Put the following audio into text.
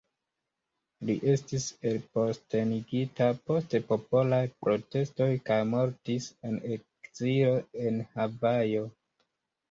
Li estis elpostenigita post popolaj protestoj kaj mortis en ekzilo en Havajo.